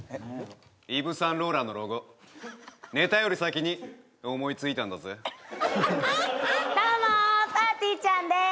イヴ・サンローランのロゴネタより先に思いついたんだぜどうもぱーてぃーちゃんです